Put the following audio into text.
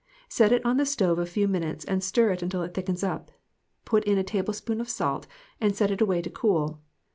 Set it on the stove a few minutes and stir it until it thickens up. Put in a teaspoonful of salt and set it away to cool.